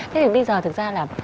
thế thì bây giờ thực ra là